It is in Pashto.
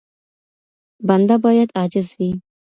بنده بايد عاجز وي.